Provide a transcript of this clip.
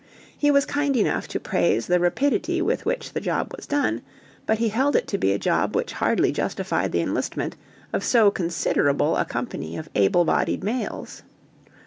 He was kind enough to praise the rapidity with which the job was done but he held it to be a job which hardly justified the enlistment of so considerable a company of able bodied males.